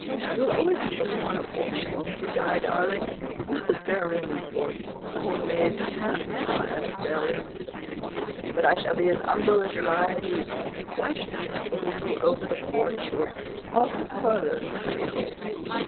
You'll always keep a corner for me, won't you, Di darling? Not the spare room, of course—old maids can't aspire to spare rooms, and I shall be as 'umble as Uriah Heep, and quite content with a little over the porch or off the parlor cubby hole."